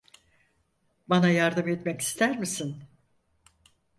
Bana yardım etmek ister misin?